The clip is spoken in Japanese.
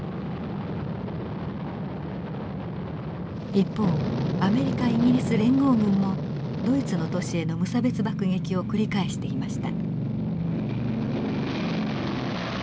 一方アメリカイギリス連合軍もドイツの都市への無差別爆撃を繰り返していました。